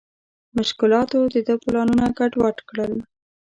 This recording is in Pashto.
مشکلاتو د ده پلانونه ګډ وډ کړل.